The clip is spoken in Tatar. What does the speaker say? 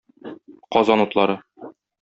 Казан утлары.